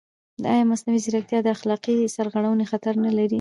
ایا مصنوعي ځیرکتیا د اخلاقي سرغړونې خطر نه لري؟